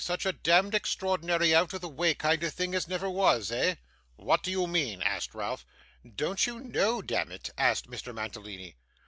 Such a demd extraordinary out of the way kind of thing as never was eh?' 'What do you mean?' asked Ralph. 'Don't you know, demmit?' asked Mr. Mantalini.